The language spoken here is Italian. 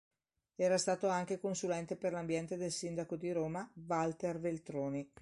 Era stato anche consulente per l'ambiente del sindaco di Roma Walter Veltroni.